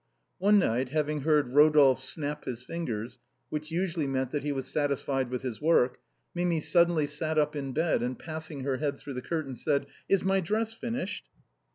One night having heard Rodolphe snap his fingers, which usually meant that he was satisfied with his work, Mimi suddenly sat up in bed and passing her head through the curtains said :" Is my dress finished